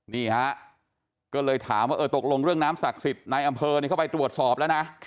นี่ฮะก็เลยถามว่าเออตกลงเรื่องน้ำศักดิ์สิทธิ์ในอำเภอเข้าไปตรวจสอบแล้วนะ